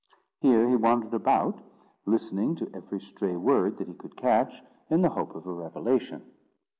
Here he wandered about, listening to every stray word that he could catch, in the hope of a revelation.